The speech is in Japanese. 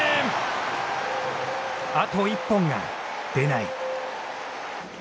あと１本が出ない。